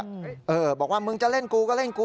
อ่าอ่ะบอกว่ามึงจะเล่นผมก็เล่นผม